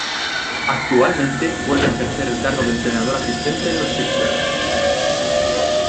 Actualmente vuelve a ejercer el cargo de entrenador asistente en los Sixers.